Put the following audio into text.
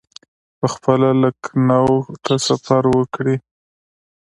پخپله لکنهو ته سفر وکړي.